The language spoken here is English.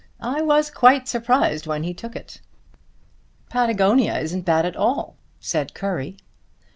I was quite surprised when he took it." "Patagonia isn't bad at all," said Currie.